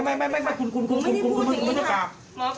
ไม่คุณไม่ต้องกลับ